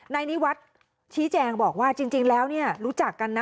ในวัดชี้แจงบอกว่าจริงแล้วรู้จักกัน